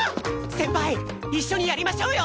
先輩一緒にやりましょうよ！